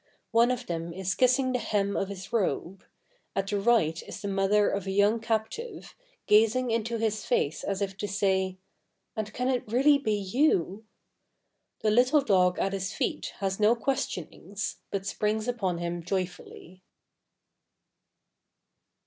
One of them is kissing the hem of his robe. At the right is the mother of a young captive, gazing into his face as if to say, "And can it really be you? " The little dog at his feet has no questionings, but springs upon him joyfully.